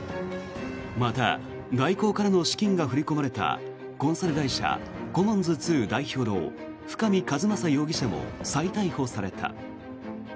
また、大広からの資金が振り込まれたコンサル会社、コモンズ２代表の深見和政容疑者も再逮捕された。